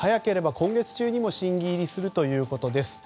早ければ今月中にも審議入りするということです。